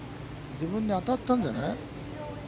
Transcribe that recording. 自分に当たったんじゃない？